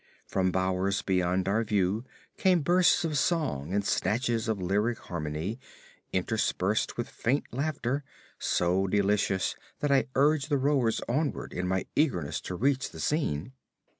From bowers beyond our view came bursts of song and snatches of lyric harmony, interspersed with faint laughter so delicious that I urged the rowers onward in my eagerness to reach the scene.